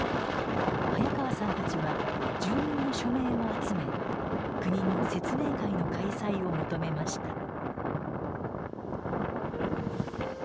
早川さんたちは住民の署名を集め国に説明会の開催を求めました。